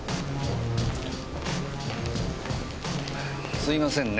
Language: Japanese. すいませんね